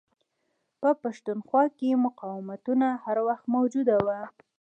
په پښتونخوا کې مقاوتونه هر وخت موجود وه.